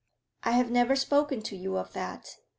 'I have never spoken to you of that.